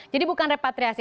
jadi bukan repatriasi